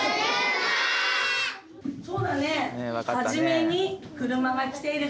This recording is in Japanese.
そうだね。